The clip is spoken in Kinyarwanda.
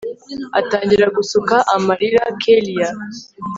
atangira gusuka amarira kellia